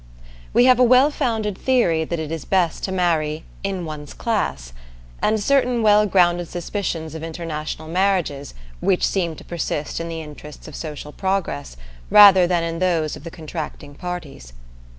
We have a well founded theory that it is best to marry "in one's class," and certain well grounded suspicions of international marriages, which seem to persist in the interests of social progress, rather than in those of the contracting parties.